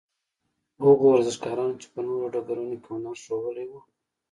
هغو ورزشکارانو چې په نورو ډګرونو کې هنر ښوولی وو.